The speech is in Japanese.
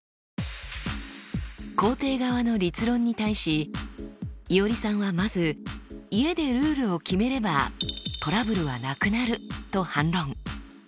肯定側の立論に対しいおりさんはまず家でルールを決めればトラブルはなくなると反論。